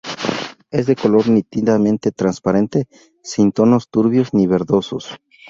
Es de color nítidamente transparente, sin tonos turbios ni verdosos.